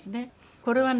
これはね